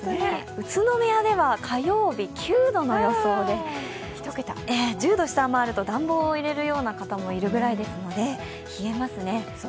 宇都宮では火曜日９度の予想で１０度を下回ると暖房を入れる方もいるようなので、冷えますね。